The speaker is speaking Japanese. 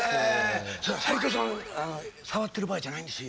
斉藤さん触ってる場合じゃないんですよ